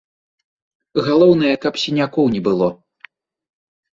Галоўнае, каб сінякоў не было.